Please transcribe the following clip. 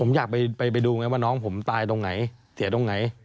ผมอยากไปดูไงว่าน้องผมตายตรงไหนเสียตรงไหน